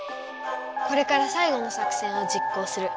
これからさいごの作戦を実行する。